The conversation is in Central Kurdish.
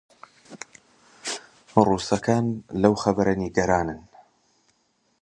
ڕووسەکان لەو خەبەرە نیگەرانن